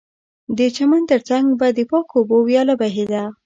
د چمن ترڅنګ به د پاکو اوبو ویاله بهېده